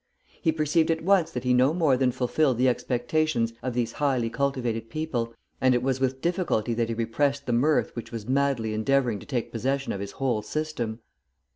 He perceived at once that he no more than fulfilled the expectations of these highly cultivated people, and it was with difficulty that he repressed the mirth which was madly endeavouring to take possession of his whole system.